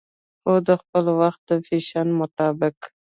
خو دخپل وخت د فېشن مطابق